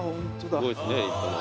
すごいですね立派な。